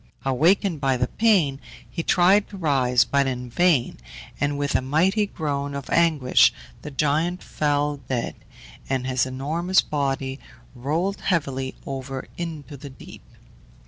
Awakened by the pain, he tried to rise, but in vain, and with a mighty groan of anguish the giant fell dead, and his enormous body rolled heavily over into the deep.